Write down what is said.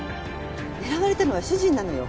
狙われたのは主人なのよ。